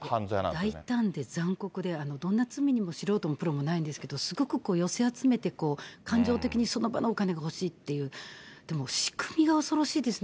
大胆で残酷で、どんな罪にも素人も玄人もないですけど、すごく寄せ集めて感情的にその場のお金が欲しいっていう、でも仕組みが恐ろしいですね。